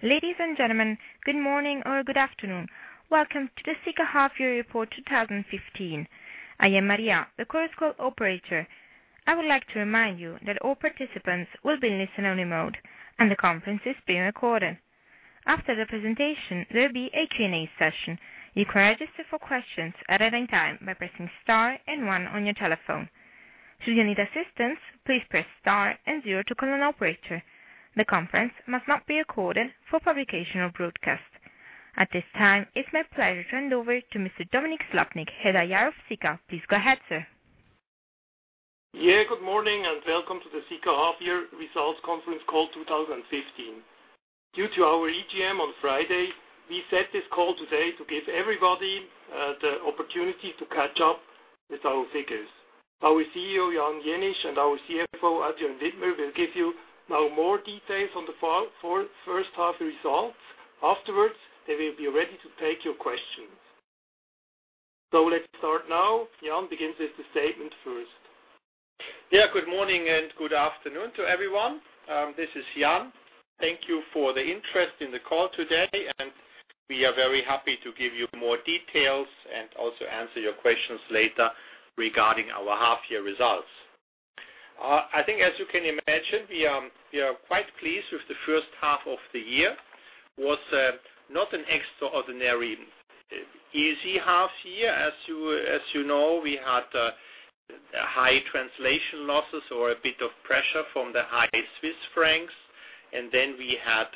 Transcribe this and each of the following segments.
Ladies and gentlemen, good morning or good afternoon. Welcome to the Sika Half Year Report 2015. I am Maria, the conference call operator. I would like to remind you that all participants will be in listen-only mode, and the conference is being recorded. After the presentation, there will be a Q&A session. You can register for questions at any time by pressing star and one on your telephone. Should you need assistance, please press star and zero to call an operator. The conference must not be recorded for publication or broadcast. At this time, it's my pleasure to hand over to Mr. Dominik Slappnig, Head of IR of Sika. Please go ahead, sir. Yeah, good morning and welcome to the Sika Half Year Results Conference Call 2015. Due to our EGM on Friday, we set this call today to give everybody the opportunity to catch up with our figures. Our CEO, Jan Jenisch, and our CFO, Adrian Widmer, will give you now more details on the first half results. Afterwards, they will be ready to take your questions. Let's start now. Jan begins with the statement first. Yeah, good morning and good afternoon to everyone. This is Jan. Thank you for the interest in the call today. We are very happy to give you more details and also answer your questions later regarding our half year results. I think as you can imagine, we are quite pleased with the first half of the year. It was not an extraordinary easy half year. As you know, we had high translation losses or a bit of pressure from the high Swiss francs. We had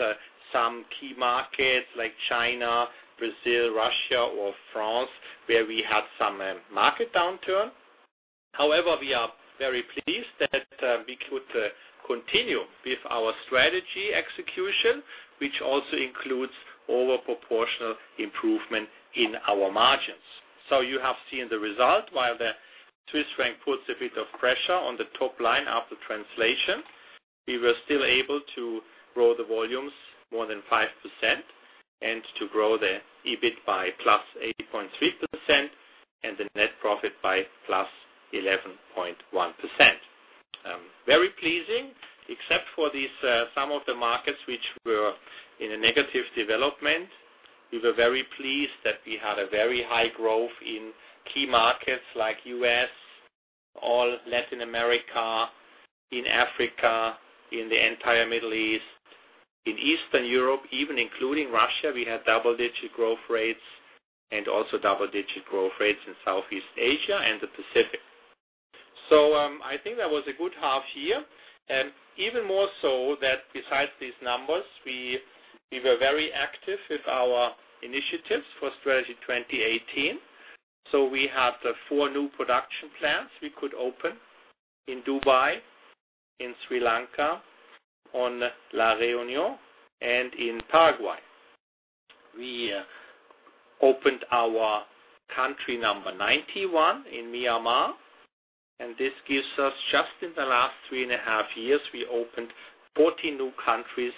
some key markets like China, Brazil, Russia, or France, where we had some market downturn. However, we are very pleased that we could continue with our strategy execution, which also includes overproportional improvement in our margins. You have seen the result. While the Swiss franc puts a bit of pressure on the top line after translation, we were still able to grow the volumes more than 5% and to grow the EBIT by +80.3% and the net profit by +11.1%. Very pleasing, except for some of the markets which were in a negative development. We were very pleased that we had a very high growth in key markets like U.S., all Latin America, in Africa, in the entire Middle East. In Eastern Europe, even including Russia, we had double-digit growth rates and also double-digit growth rates in Southeast Asia and the Pacific. I think that was a good half year, and even more so that besides these numbers, we were very active with our initiatives for Strategy 2018. We had four new production plants we could open in Dubai, in Sri Lanka, on La Reunion, and in Paraguay. We opened our country number 91 in Myanmar, and this gives us just in the last three and a half years, we opened 40 new countries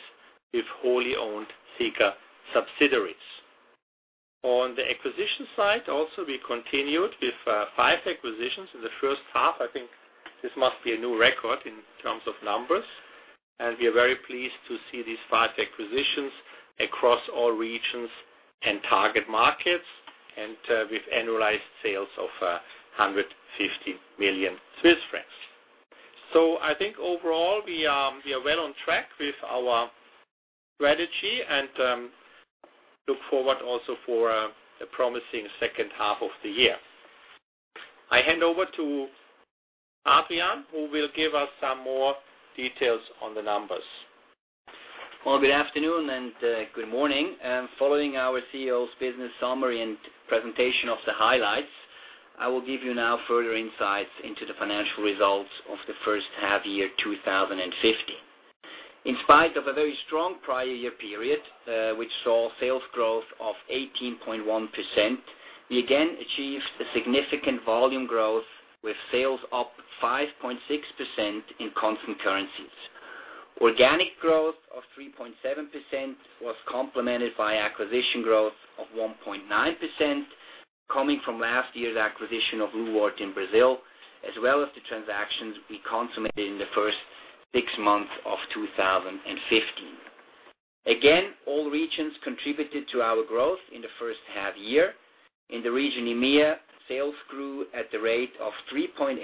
with wholly owned Sika subsidiaries. On the acquisition side also, we continued with five acquisitions in the first half. I think this must be a new record in terms of numbers, and we are very pleased to see these five acquisitions across all regions and target markets and with annualized sales of 150 million Swiss francs. I think overall we are well on track with our strategy and look forward also for a promising second half of the year. I hand over to Adrian, who will give us some more details on the numbers. Well, good afternoon and good morning. Following our CEO's business summary and presentation of the highlights, I will give you now further insights into the financial results of the first half year 2015. In spite of a very strong prior year period, which saw sales growth of 18.1%, we again achieved a significant volume growth with sales up 5.6% in constant currencies. Organic growth of 3.7% was complemented by acquisition growth of 1.9%, coming from last year's acquisition of Lwart Química in Brazil, as well as the transactions we consummated in the first six months of 2015. Again, all regions contributed to our growth in the first half year. In the region EMEA, sales grew at the rate of 3.8%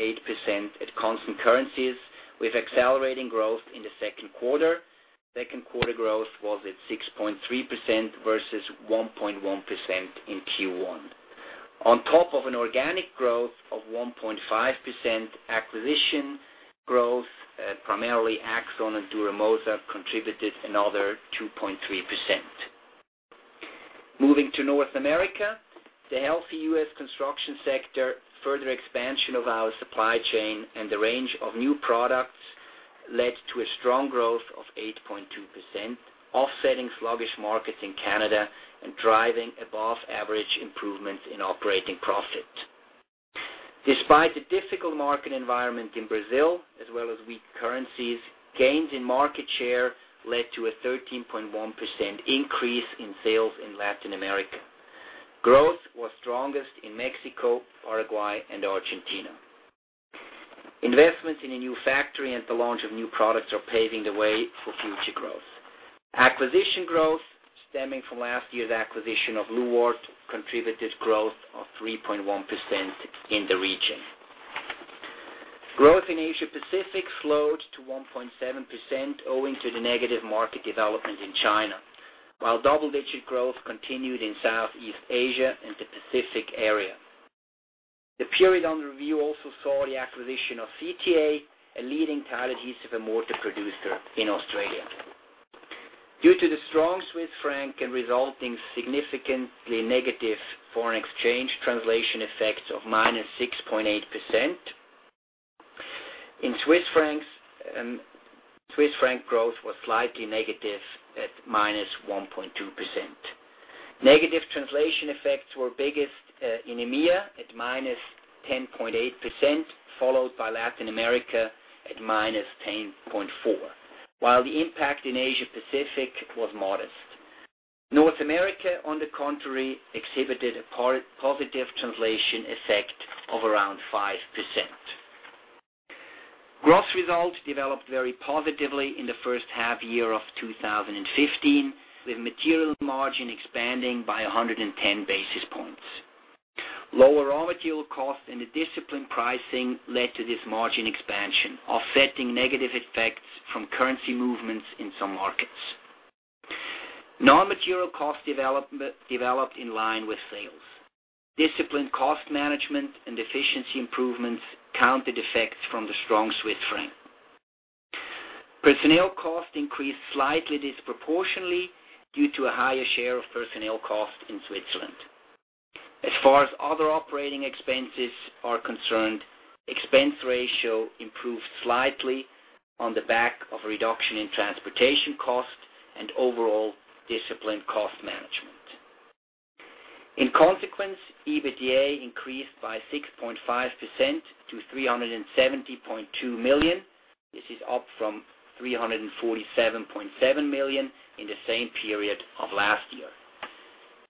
at constant currencies with accelerating growth in the second quarter. Second quarter growth was at 6.3% versus 1.1% in Q1. On top of an organic growth of 1.5% acquisition growth, primarily Axson Technologies and Duro-Moza contributed another 2.3%. Moving to North America, the healthy U.S. construction sector, further expansion of our supply chain, and the range of new products led to a strong growth of 8.2%, offsetting sluggish markets in Canada and driving above-average improvements in operating profit. Despite the difficult market environment in Brazil, as well as weak currencies, gains in market share led to a 13.1% increase in sales in Latin America. Growth was strongest in Mexico, Paraguay, and Argentina. Investments in a new factory and the launch of new products are paving the way for future growth. Acquisition growth stemming from last year's acquisition of Lwart Química contributed growth of 3.1% in the region. Growth in Asia Pacific slowed to 1.7%, owing to the negative market development in China, while double-digit growth continued in Southeast Asia and the Pacific area. The period under review also saw the acquisition of CTA, a leading tile adhesive and mortar producer in Australia. Due to the strong Swiss franc and resulting significantly negative foreign exchange translation effects of -6.8%, in Swiss franc growth was slightly negative at -1.2%. Negative translation effects were biggest in EMEA at -10.8%, followed by Latin America at -10.4%, while the impact in Asia Pacific was modest. North America, on the contrary, exhibited a positive translation effect of around 5%. Gross results developed very positively in the first half year of 2015, with material margin expanding by 110 basis points. Lower raw material costs and a disciplined pricing led to this margin expansion, offsetting negative effects from currency movements in some markets. Non-material costs developed in line with sales. Disciplined cost management and efficiency improvements countered effects from the strong Swiss franc. Personnel costs increased slightly disproportionately due to a higher share of personnel costs in Switzerland. As far as other operating expenses are concerned, expense ratio improved slightly on the back of a reduction in transportation costs and overall disciplined cost management. In consequence, EBITDA increased by 6.5% to 370.2 million. This is up from 347.7 million in the same period of last year.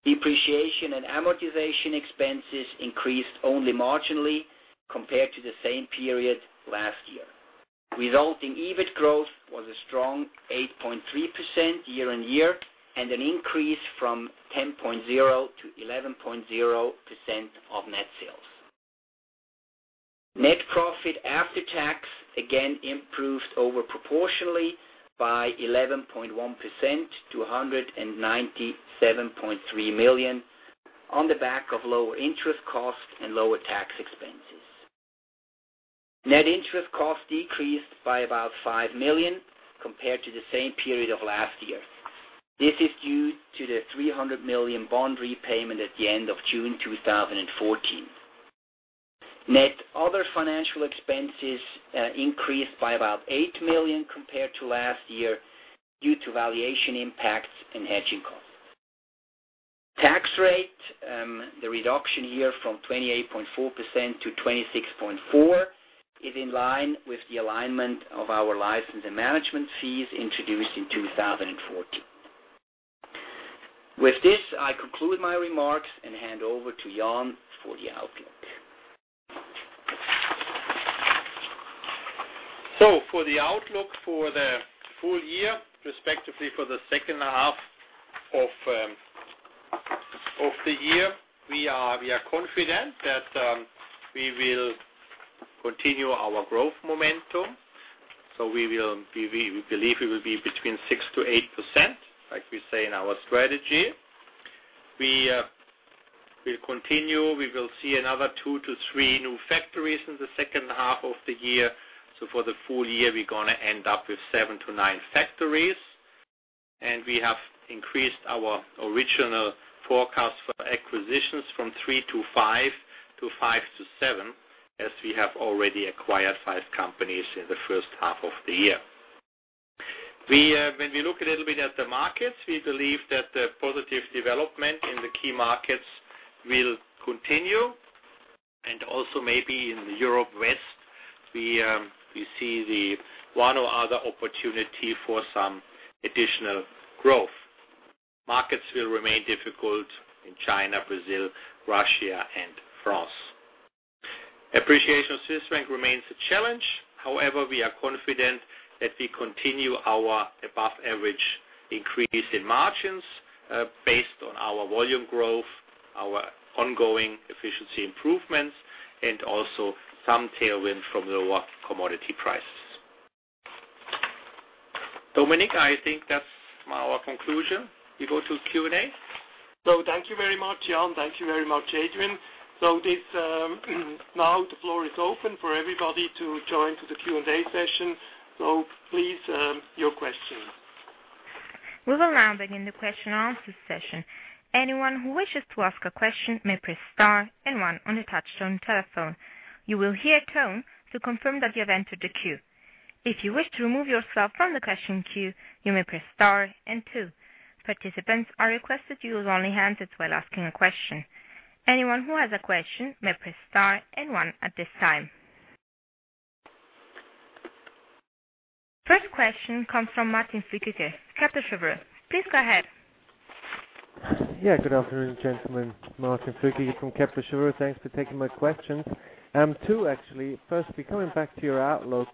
Depreciation and amortization expenses increased only marginally compared to the same period last year, resulting EBIT growth was a strong 8.3% year-on-year, and an increase from 10.0% to 11.0% of net sales. Net profit after tax, again, improved over proportionally by 11.1% to 197.3 million on the back of lower interest costs and lower tax expenses. Net interest costs decreased by about $5 million compared to the same period of last year. This is due to the $300 million bond repayment at the end of June 2014. Net other financial expenses increased by about $8 million compared to last year due to valuation impacts and hedging costs. Tax rate, the reduction here from 28.4% to 26.4% is in line with the alignment of our license and management fees introduced in 2014. With this, I conclude my remarks and hand over to Jan for the outlook. For the outlook for the full year, respectively, for the second half of the year, we are confident that we will continue our growth momentum. We believe we will be between 6%-8%, like we say in our strategy. We will continue. We will see another two to three new factories in the second half of the year. For the full year, we're going to end up with seven to nine factories, and we have increased our original forecast for acquisitions from three to five to five to seven, as we have already acquired five companies in the first half of the year. When we look a little bit at the markets, we believe that the positive development in the key markets will continue, and also maybe in Europe West, we see the one or other opportunity for some additional growth. Markets will remain difficult in China, Brazil, Russia, and France. Appreciation of Swiss franc remains a challenge. We are confident that we continue our above-average increase in margins based on our volume growth, our ongoing efficiency improvements, and also some tailwind from lower commodity prices. Dominik, I think that's our conclusion. We go to Q&A. Thank you very much, Jan. Thank you very much, Adrian. Now the floor is open for everybody to join to the Q&A session. Please, your questions. We will now begin the question and answer session. Anyone who wishes to ask a question may press star and one on their touch-tone telephone. You will hear a tone to confirm that you have entered the queue. If you wish to remove yourself from the question queue, you may press star and two. Participants are requested to use only hands while asking a question. Anyone who has a question may press star and one at this time. First question comes from Martin Flueckiger, Kepler Cheuvreux. Please go ahead. Good afternoon, gentlemen. Martin Flueckiger from Kepler Cheuvreux. Thanks for taking my questions. Two, actually. Firstly, coming back to your outlook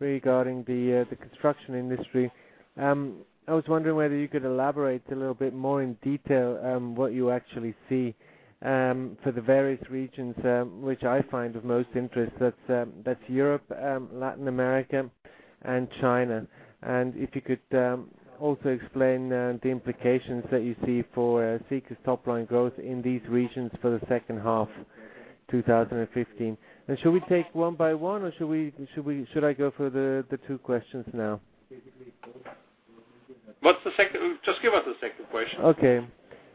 regarding the construction industry, I was wondering whether you could elaborate a little bit more in detail what you actually see for the various regions which I find of most interest. That's Europe, Latin America, and China. If you could also explain the implications that you see for Sika's top-line growth in these regions for the second half 2015. Should we take one by one or should I go for the two questions now? Just give us the second question. Okay.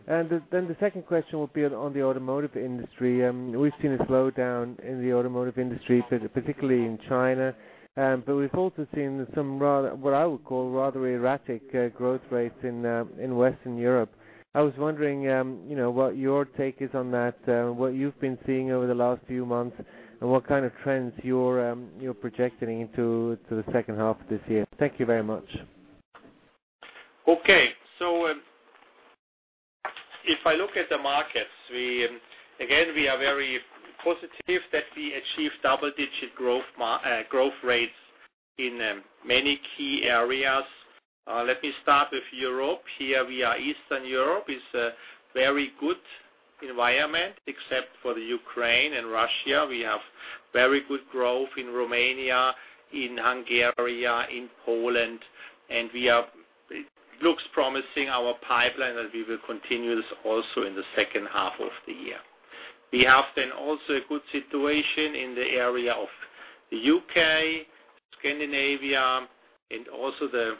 The second question will be on the automotive industry. We've seen a slowdown in the automotive industry, particularly in China. We've also seen what I would call rather erratic growth rates in Western Europe. I was wondering what your take is on that, what you've been seeing over the last few months, and what kind of trends you're projecting into the second half of this year. Thank you very much. Okay. If I look at the markets, again, we are very positive that we achieved double-digit growth rates in many key areas. Let me start with Europe. Here we are, Eastern Europe is a very good environment except for Ukraine and Russia. We have very good growth in Romania, in Hungary, in Poland, and it looks promising, our pipeline, and we will continue this also in the second half of the year. We have also a good situation in the area of the U.K., Scandinavia, and also the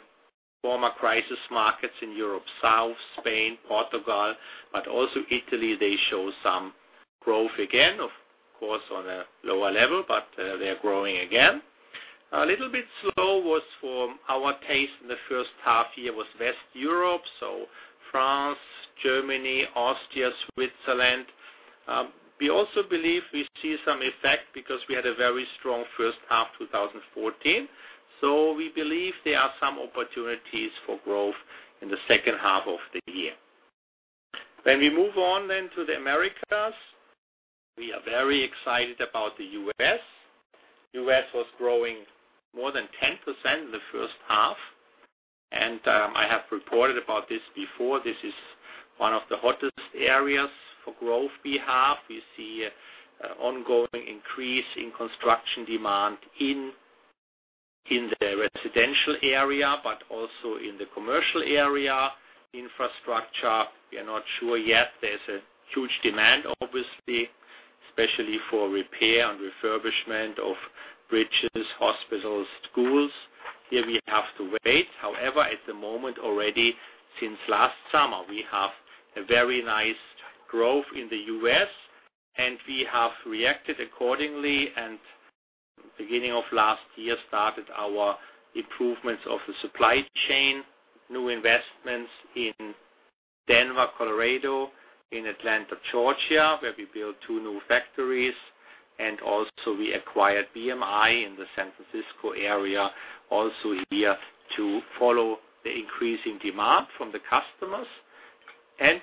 former crisis markets in Europe, South, Spain, Portugal, but also Italy. They show some growth again, of course, on a lower level, but they are growing again. A little bit slow was for our taste in the first half year was West Europe, so France, Germany, Austria, Switzerland. We also believe we see some effect because we had a very strong H1 2014. We believe there are some opportunities for growth in the second half of the year. When we move on to the Americas, we are very excited about the U.S. U.S. was growing more than 10% in the first half, and I have reported about this before. This is one of the hottest areas for growth we have. We see ongoing increase in construction demand in the residential area, but also in the commercial area. Infrastructure, we are not sure yet. There's a huge demand, obviously, especially for repair and refurbishment of bridges, hospitals, schools. Here we have to wait. However, at the moment already since last summer, we have a very nice growth in the U.S., and we have reacted accordingly, and beginning of last year started our improvements of the supply chain, new investments in Denver, Colorado, in Atlanta, Georgia, where we built 2 new factories. We also acquired BMI in the San Francisco area, also here to follow the increasing demand from the customers.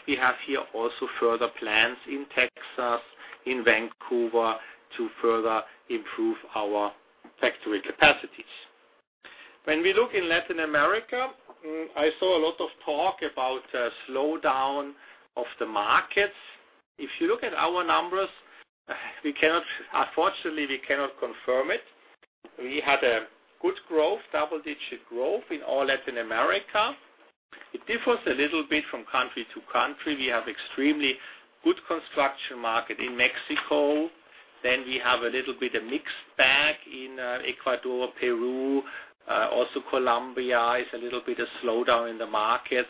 We have here also further plans in Texas, in Vancouver to further improve our factory capacities. When we look in Latin America, I saw a lot of talk about a slowdown of the markets. If you look at our numbers, unfortunately, we cannot confirm it. We had a good growth, double-digit growth in all Latin America. It differs a little bit from country to country. We have extremely good construction market in Mexico. We have a little bit of mixed bag in Ecuador, Peru. Also Colombia is a little bit of slowdown in the markets.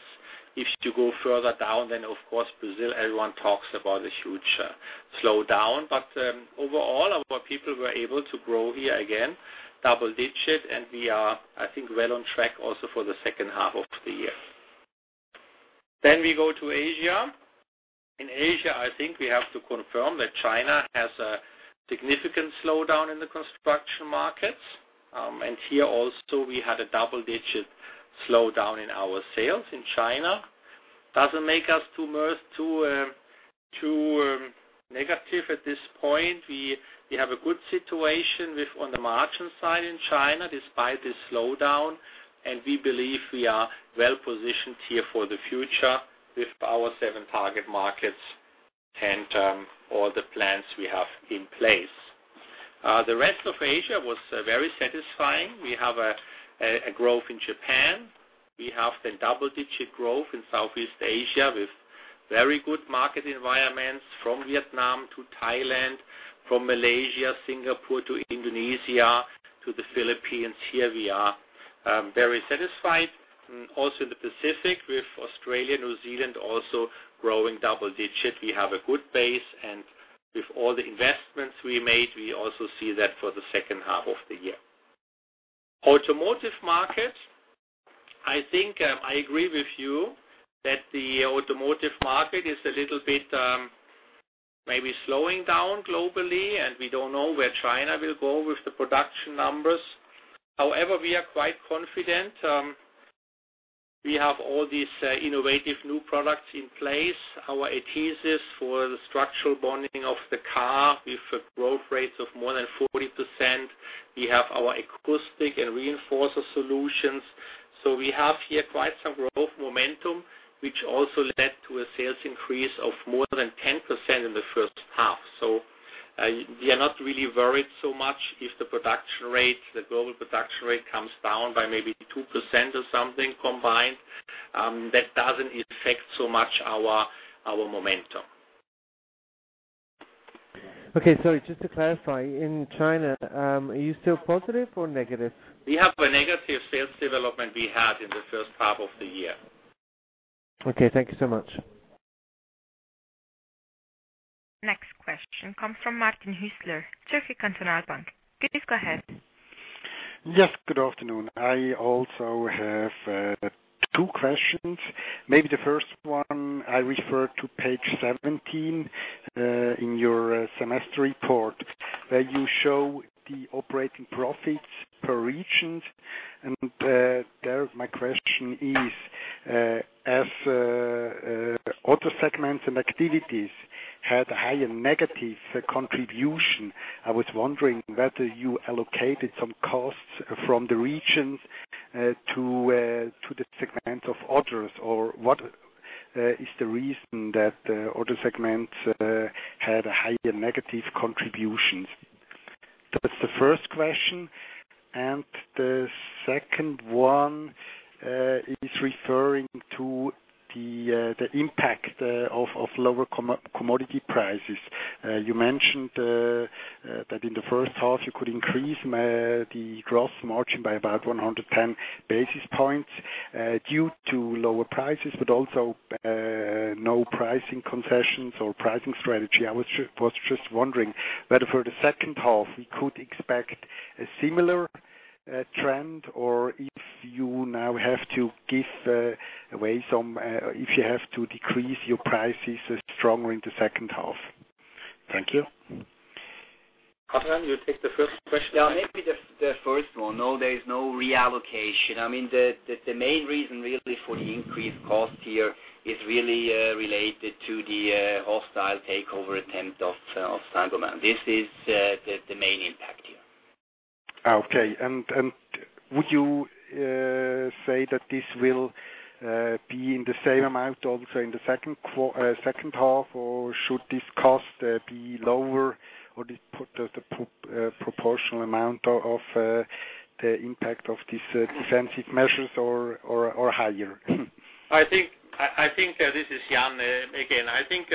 If you go further down, Brazil, everyone talks about a huge slowdown. Overall, our people were able to grow here again double-digit, and we are, I think, well on track also for the second half of the year. We go to Asia. In Asia, I think we have to confirm that China has a significant slowdown in the construction markets. Here also we had a double-digit slowdown in our sales in China. It doesn't make us too negative at this point. We have a good situation with on the margin side in China, despite this slowdown, and we believe we are well-positioned here for the future with our seven target markets and all the plans we have in place. The rest of Asia was very satisfying. We have a growth in Japan. We have the double-digit growth in Southeast Asia with very good market environments from Vietnam to Thailand, from Malaysia, Singapore to Indonesia, to the Philippines. Here we are very satisfied. Also in the Pacific with Australia, New Zealand also growing double-digit. We have a good base and with all the investments we made, we also see that for the second half of the year. Automotive market I think I agree with you that the automotive market is a little bit maybe slowing down globally, and we don't know where China will go with the production numbers. However, we are quite confident. We have all these innovative new products in place, our adhesives for the structural bonding of the car with a growth rate of more than 40%. We have our acoustic and reinforcer solutions. We have here quite some growth momentum, which also led to a sales increase of more than 10% in the first half. We are not really worried so much if the global production rate comes down by maybe 2% or something combined. It doesn't affect so much our momentum. Okay, sorry, just to clarify. In China, are you still positive or negative? We have a negative sales development we had in the first half of the year. Okay, thank you so much. Next question comes from Martin Hüsler, Zürcher Kantonalbank. Please go ahead. Yes, good afternoon. I also have two questions. Maybe the first one, I refer to page 17, in your semester report, where you show the operating profits per region. There my question is, as other segments and activities had higher negative contribution, I was wondering whether you allocated some costs from the regions to the segment of others, or what is the reason that other segments had higher negative contributions? That's the first question. The second one is referring to the impact of lower commodity prices. You mentioned that in the first half, you could increase the gross margin by about 110 basis points due to lower prices, but also no pricing concessions or pricing strategy. I was just wondering whether for the second half, we could expect a similar trend, or if you now have to decrease your prices stronger in the second half. Thank you. Adrian, you take the first question? Yeah, maybe the first one. No, there is no reallocation. The main reason really for the increased cost here is really related to the hostile takeover attempt of Saint-Gobain. This is the main impact here. Okay. Would you say that this will be in the same amount also in the second half, or should this cost be lower? The proportional amount of the impact of these defensive measures or higher? This is Jan again. I think,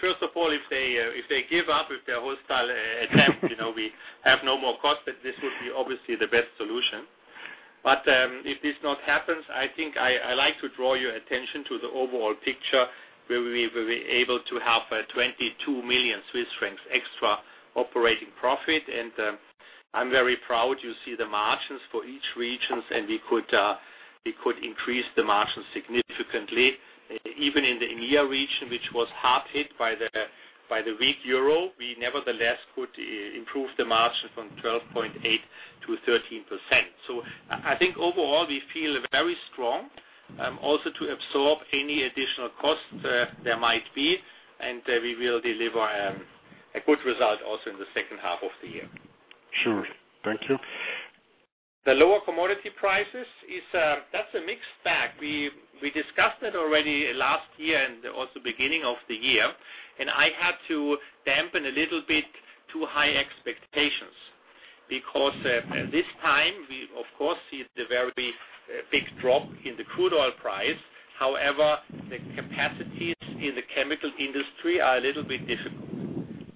first of all, if they give up with their hostile attempt, this would be obviously the best solution. If this not happens, I think I like to draw your attention to the overall picture, where we were able to have 22 million Swiss francs extra operating profit. I'm very proud. You see the margins for each region. We could increase the margins significantly, even in the EMEA region, which was hard hit by the weak euro. We nevertheless could improve the margin from 12.8%-13%. I think overall, we feel very strong. Also to absorb any additional costs there might be. We will deliver a good result also in the second half of the year. Sure. Thank you. The lower commodity prices, that's a mixed bag. We discussed it already last year and also beginning of the year. I had to dampen a little bit too high expectations. At this time, we of course see the very big drop in the crude oil price. However, the capacities in the chemical industry are a little bit difficult.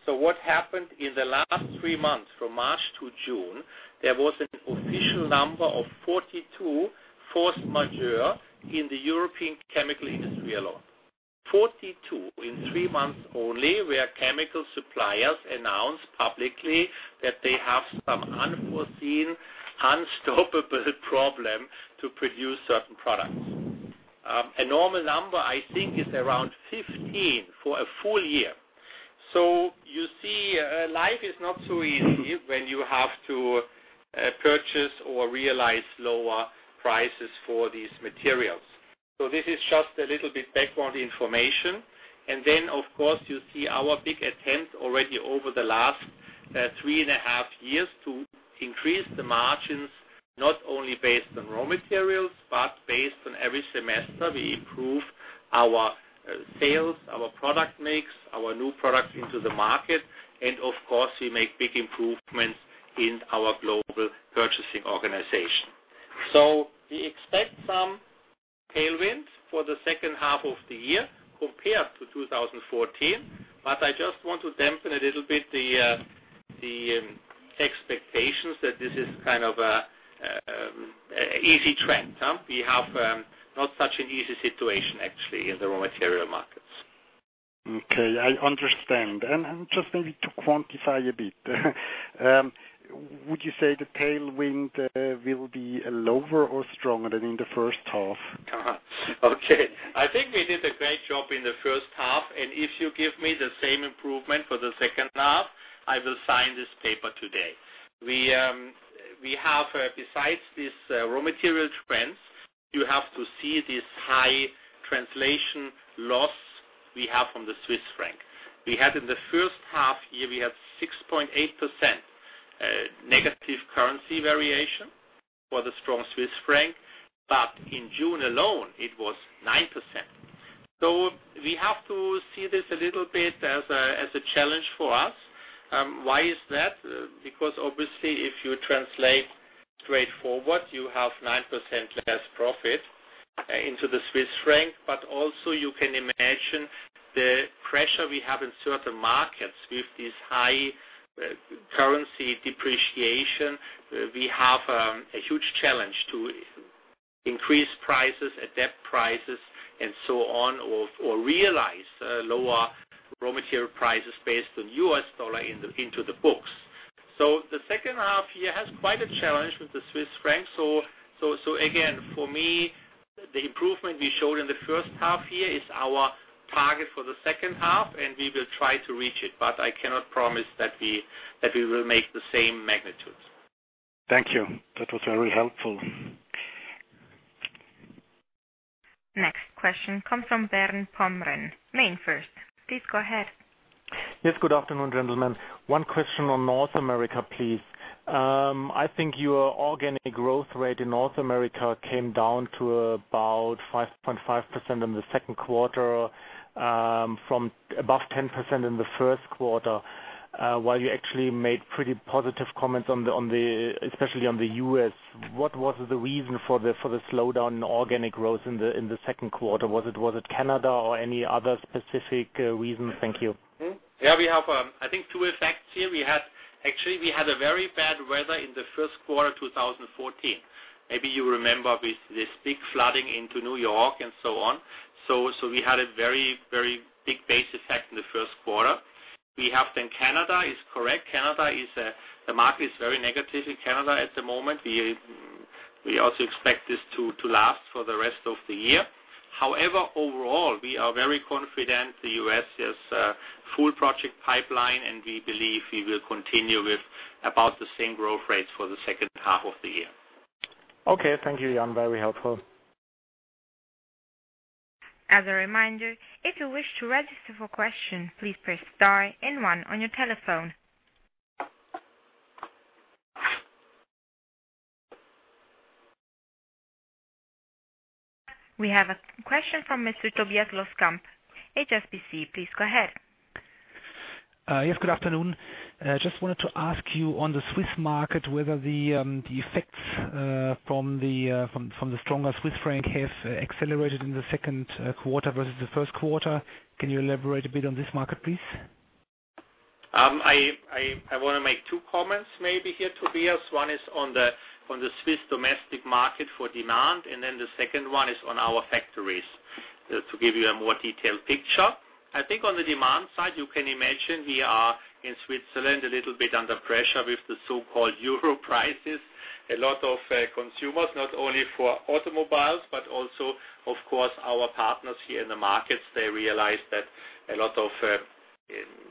What happened in the last three months, from March to June, there was an official number of 42 force majeure in the European chemical industry alone. 42 in three months only, where chemical suppliers announced publicly that they have some unforeseen, unstoppable problem to produce certain products. A normal number, I think, is around 15 for a full year. You see, life is not so easy when you have to purchase or realize lower prices for these materials. This is just a little bit background information. Of course, you see our big attempt already over the last three and a half years to increase the margins, not only based on raw materials, but based on every semester, we improve our sales, our product mix, our new products into the market. Of course, we make big improvements in our global purchasing organization. We expect some tailwinds for the second half of the year compared to 2014. I just want to dampen a little bit the expectations that this is kind of an easy trend. We have not such an easy situation, actually, in the raw material markets. Okay, I understand. Just maybe to quantify a bit, would you say the tailwind will be lower or stronger than in the first half? Okay. I think we did a great job in the first half, and if you give me the same improvement for the second half, I will sign this paper today. Besides these raw material trends, you have to see this high translation loss we have from the CHF. We had in the first half here, we had 6.8% negative currency variation for the strong CHF, but in June alone it was 9%. We have to see this a little bit as a challenge for us. Why is that? Because obviously if you translate straightforward, you have 9% less profit into the CHF, but also you can imagine the pressure we have in certain markets with this high currency depreciation. We have a huge challenge to increase prices, adapt prices, and so on, or realize lower raw material prices based on US dollar into the books. The second half here has quite a challenge with the CHF. Again, for me, the improvement we showed in the first half here is our target for the second half, and we will try to reach it, but I cannot promise that we will make the same magnitudes. Thank you. That was very helpful. Next question comes from Bernd Pommeren. MainFirst. Please go ahead. Yes, good afternoon, gentlemen. One question on North America, please. I think your organic growth rate in North America came down to about 5.5% in the second quarter, from above 10% in the first quarter. While you actually made pretty positive comments, especially on the U.S., what was the reason for the slowdown in organic growth in the second quarter? Was it Canada or any other specific reason? Thank you. Yeah, we have, I think two effects here. Actually, we had a very bad weather in the first quarter 2014. Maybe you remember with this big flooding into New York and so on. We had a very, very big base effect in the first quarter. We have Canada is correct. The market is very negative in Canada at the moment. We also expect this to last for the rest of the year. However, overall, we are very confident the U.S. has a full project pipeline, and we believe we will continue with about the same growth rates for the second half of the year. Okay. Thank you, Jan. Very helpful. As a reminder, if you wish to register for question, please press star and one on your telephone. We have a question from Monsieur Tobias Loskamp, HSBC. Please go ahead. Yes, good afternoon. Just wanted to ask you on the Swiss market whether the effects from the stronger Swiss franc have accelerated in the second quarter versus the first quarter. Can you elaborate a bit on this market, please? I want to make two comments maybe here, Tobias. One is on the Swiss domestic market for demand. The second one is on our factories. To give you a more detailed picture. I think on the demand side, you can imagine we are in Switzerland, a little bit under pressure with the so-called euro prices. A lot of consumers, not only for automobiles, but also, of course, our partners here in the markets, they realize that a lot of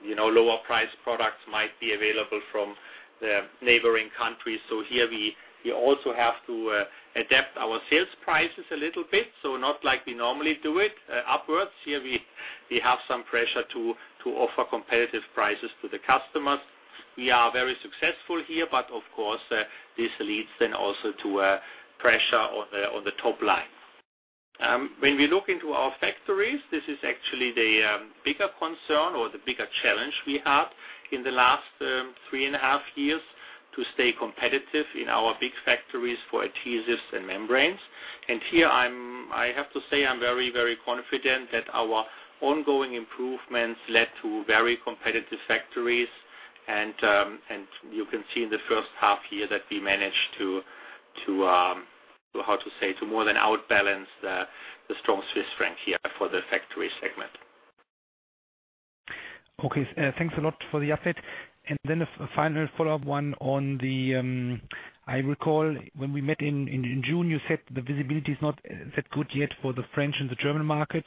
lower price products might be available from the neighboring countries. Here we also have to adapt our sales prices a little bit. Not like we normally do it upwards. Here we have some pressure to offer competitive prices to the customers. We are very successful here, but of course, this leads then also to pressure on the top line. When we look into our factories, this is actually the bigger concern or the bigger challenge we have in the last three and a half years to stay competitive in our big factories for adhesives and membranes. Here I have to say, I'm very, very confident that our ongoing improvements led to very competitive factories, and you can see in the first half here that we managed to, how to say, to more than outbalance the strong Swiss franc here for the factory segment. Okay, thanks a lot for the update. A final follow-up. I recall when we met in June, you said the visibility is not that good yet for the French and the German market.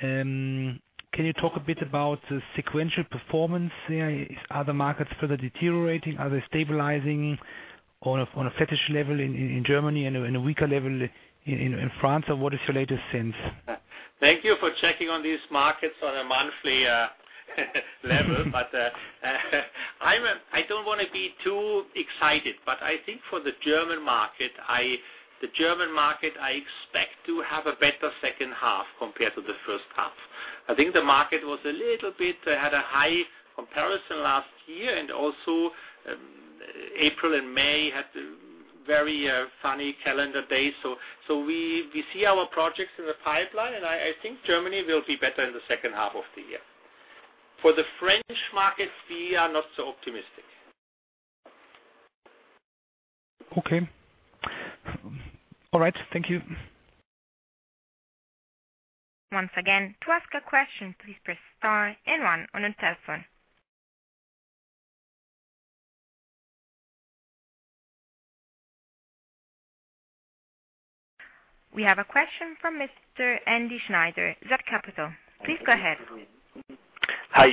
Can you talk a bit about the sequential performance there? Are the markets further deteriorating? Are they stabilizing on a flattish level in Germany and a weaker level in France? What is your latest sense? Thank you for checking on these markets on a monthly level. I don't want to be too excited, but I think for the German market, I expect to have a better second half compared to the first half. I think the market had a high comparison last year, and also April and May had very funny calendar days. We see our projects in the pipeline. I think Germany will be better in the second half of the year. For the French market, we are not so optimistic. Okay. All right. Thank you. Once again, to ask a question, please press star and one on your telephone. We have a question from Mr. Andy Schneider, ZAK Capital. Please go ahead. Hi.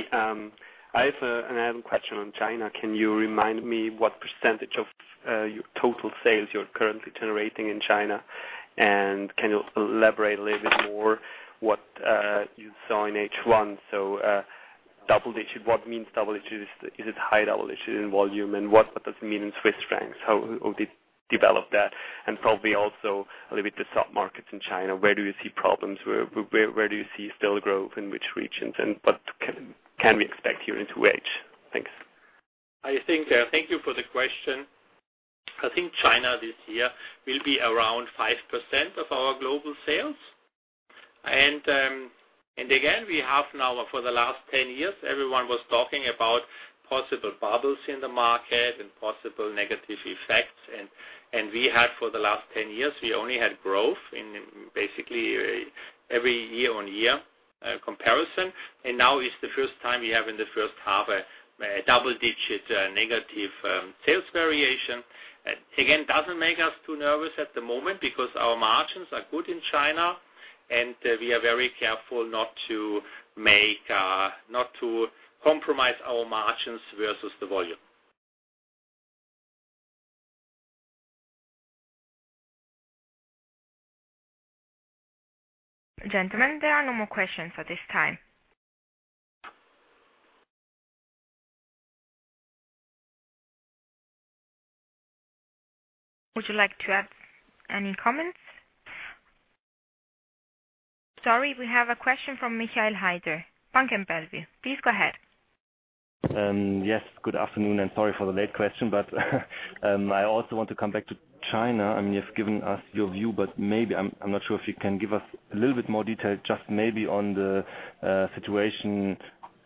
I have a question on China. Can you remind me what percentage of your total sales you're currently generating in China? Can you elaborate a little bit more what you saw in H1? Double digits, what means double digits? Is it high double digits in volume? What does it mean in Swiss francs? How did develop that? Probably also a little bit the sub-markets in China, where do you see problems? Where do you see still growth, in which regions? What can we expect here in 2H? Thanks. Thank you for the question. I think China this year will be around 5% of our global sales. Again, we have now for the last 10 years, everyone was talking about possible bubbles in the market and possible negative effects. We had for the last 10 years, we only had growth in basically every year-on-year comparison. Now is the first time we have in the first half a double-digit negative sales variation. Again, doesn't make us too nervous at the moment because our margins are good in China, and we are very careful not to compromise our margins versus the volume. Gentlemen, there are no more questions at this time. Would you like to add any comments? Sorry, we have a question from Michael Heider, Bank M. M. Warburg. Please go ahead. Yes, good afternoon. Sorry for the late question. I also want to come back to China. You've given us your view. Maybe, I'm not sure if you can give us a little bit more detail, just maybe on the situation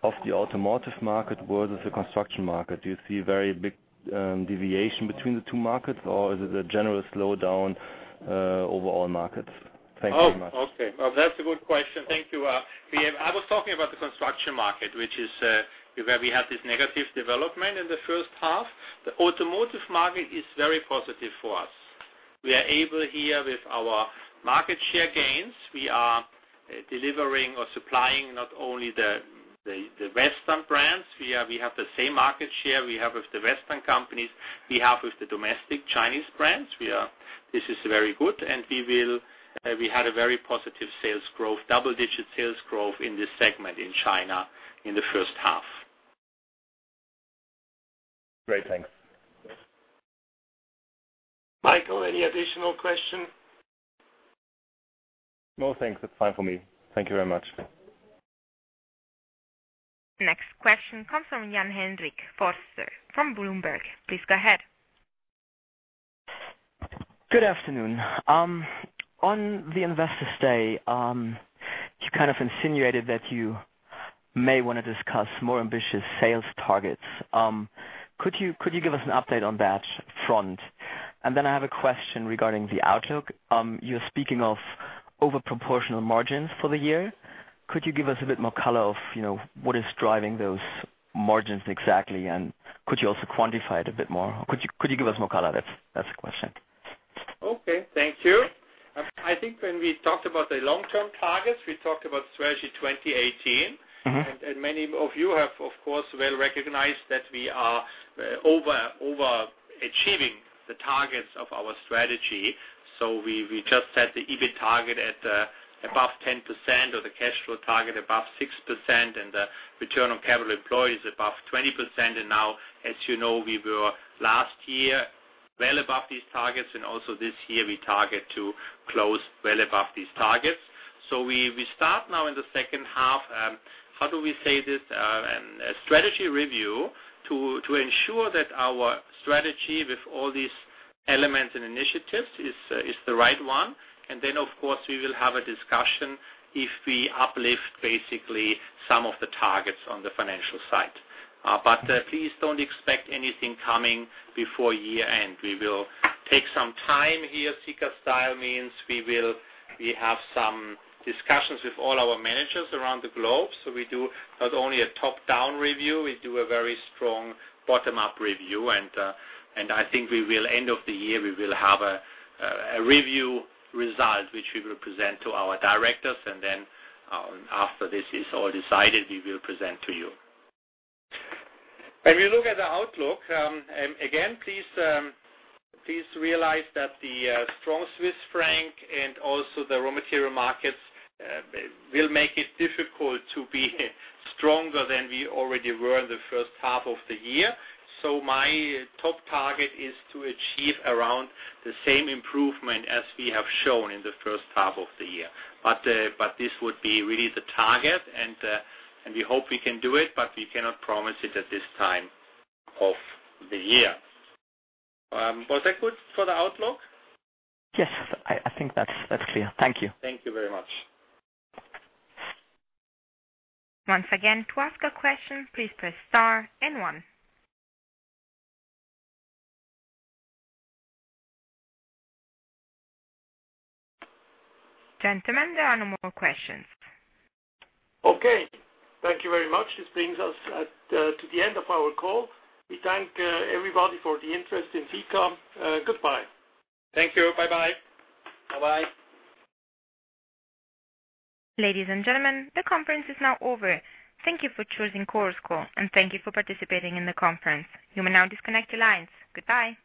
of the automotive market versus the construction market. Do you see a very big deviation between the two markets, or is it a general slowdown overall markets? Thank you very much. Okay. Well, that's a good question. Thank you. I was talking about the construction market, which is where we had this negative development in the first half. The automotive market is very positive for us. We are able here with our market share gains. We are delivering or supplying not only the Western brands. We have the same market share we have with the Western companies, we have with the domestic Chinese brands. This is very good. We had a very positive sales growth, double-digit sales growth in this segment in China in the first half. Great, thanks. Michael, any additional question? No, thanks. That's fine for me. Thank you very much. Next question comes from Jan-Henrik Förster from Bloomberg. Please go ahead. Good afternoon. On the Investors' Day, you kind of insinuated that you may want to discuss more ambitious sales targets. Could you give us an update on that front? I have a question regarding the outlook. You're speaking of over-proportional margins for the year. Could you give us a bit more color of what is driving those margins exactly, and could you also quantify it a bit more? Could you give us more color? That's the question. Okay. Thank you. I think when we talked about the long-term targets, we talked about Strategy 2018. Many of you have, of course, well recognized that we are over-achieving the targets of our strategy. We just set the EBIT target at above 10% or the cash flow target above 6% and the return on capital employed is above 20%. Now, as you know, we were last year well above these targets, and also this year, we target to close well above these targets. We start now in the second half, how do we say this? A strategy review to ensure that our strategy with all these elements and initiatives is the right one. Of course, we will have a discussion if we uplift basically some of the targets on the financial side. Please don't expect anything coming before year-end. We will take some time here. Sika style means we have some discussions with all our managers around the globe. We do not only a top-down review, we do a very strong bottom-up review. I think end of the year, we will have a review result, which we will present to our directors, and then after this is all decided, we will present to you. When we look at the outlook, again, please realize that the strong Swiss franc and also the raw material markets will make it difficult to be stronger than we already were in the first half of the year. My top target is to achieve around the same improvement as we have shown in the first half of the year. This would be really the target, and we hope we can do it, but we cannot promise it at this time of the year. Was that good for the outlook? Yes. I think that's clear. Thank you. Thank you very much. Once again, to ask a question, please press star and one. Gentlemen, there are no more questions. Okay. Thank you very much. This brings us to the end of our call. We thank everybody for the interest in Sika. Goodbye. Thank you. Bye-bye. Bye-bye. Ladies and gentlemen, the conference is now over. Thank you for choosing Chorus Call, and thank you for participating in the conference. You may now disconnect your lines. Goodbye.